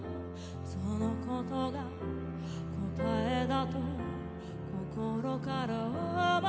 「そのことが『答え』だと心から思うの」